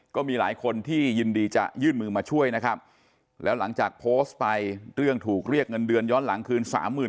ก็มีหลายคนที่ยินดีจะยื่นมือมาช่วยนะครับแล้วหลังจากโพสต์ไปเรื่องถูกเรียกเงินเดือนย้อนหลังคืนสามหมื่น